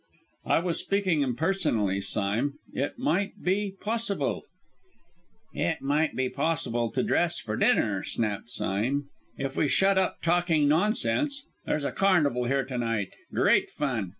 "I was speaking impersonally, Sime. It might be possible " "It might be possible to dress for dinner," snapped Sime, "if we shut up talking nonsense! There's a carnival here to night; great fun.